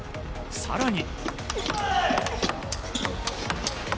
更に。